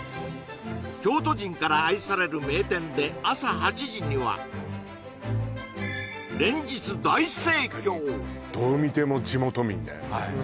京都人から愛される名店で朝８時には連日大盛況どう見ても地元民ねはい